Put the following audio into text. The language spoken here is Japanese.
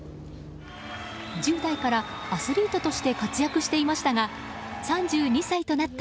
１０代からアスリートとして活躍していましたが３２歳となった